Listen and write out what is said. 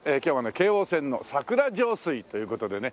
京王線の桜上水という事でね。